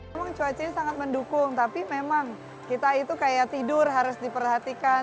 memang cuacanya sangat mendukung tapi memang kita itu kayak tidur harus diperhatikan